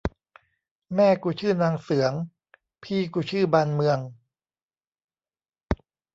แม่กูชื่อนางเสือง พี่กูชื่อบานเมือง